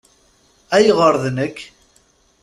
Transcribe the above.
Ayɣeṛ d nekk?